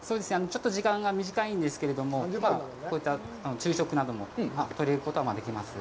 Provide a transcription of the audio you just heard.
ちょっと時間が短いんですけれども、こういった昼食なども取れることができます。